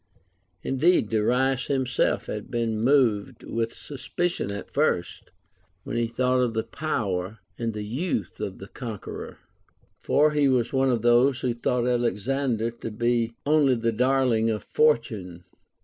Indeed, Darius himself had been moved w^itli suspicion at first, when he thought of the power and the youth of the conqueror ; for lie was one of those who thought Alexander to be only the darling of Fortune.